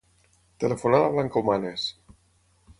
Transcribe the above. Telefona a la Blanca Humanes.